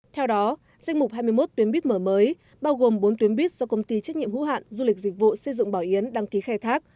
theo đó danh mục hai mươi một tuyến buýt mở mới bao gồm bốn tuyến buýt do công ty trách nhiệm hữu hạn du lịch dịch vụ xây dựng bảo yến đăng ký khai thác